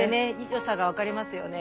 良さが分かりますよね。